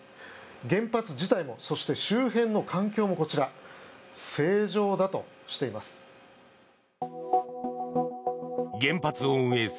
原発自体もそして周辺の環境もこちら、正常だとしています。